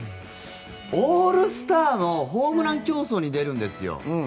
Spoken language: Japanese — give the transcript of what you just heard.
オールスターのホームラン競争に出るんですよ。